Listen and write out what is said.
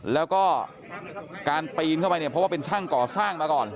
แล้วก็การปีนเข้าไปเนี่ยเพราะว่าเป็นช่างก่อสร้างมาก่อน